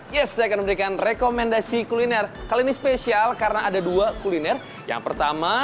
yes saya akan memberikan rekomendasi kuliner kali ini spesial karena ada dua kuliner yang pertama